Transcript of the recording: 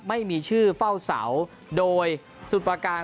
ไม่มีชื่อเฝ้าเสาโดยสุดประการ